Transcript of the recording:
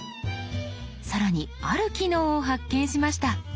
更にある機能を発見しました。